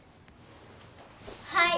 はい！